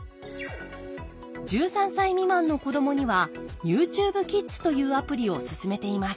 １３歳未満の子どもにはＹｏｕＴｕｂｅＫｉｄｓというアプリを勧めています。